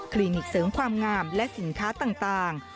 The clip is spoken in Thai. ลินิกเสริมความงามและสินค้าต่าง